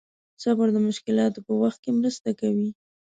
صبر د مشکلاتو په وخت کې مرسته کوي.